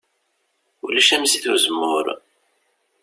Ulac am zzit n uzemmur.